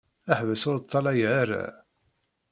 Ḥbes ur ṭṭalaya ara!